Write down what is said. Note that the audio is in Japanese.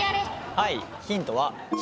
はい。